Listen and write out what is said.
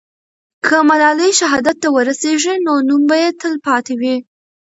که ملالۍ شهادت ته ورسېږي، نو نوم به یې تل پاتې وي.